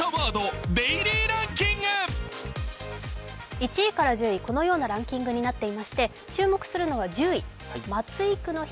１位から１０位このようなランキングになっていまして、注目するのは１０位、まつ育の日。